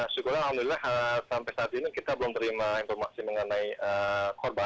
syukurlah alhamdulillah sampai saat ini kita belum terima informasi mengenai korban